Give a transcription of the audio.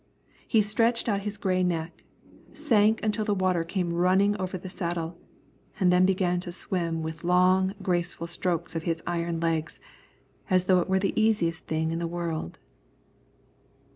He stretched out his grey neck, sank until the water came running over the saddle, and then began to swim with long, graceful strokes of his iron legs as though it were the easiest thing in the world.